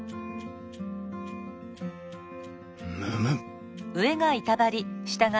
むむっ！